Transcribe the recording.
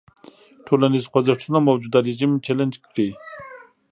ټولنیز خوځښتونه موجوده رژیم چلنج کړي.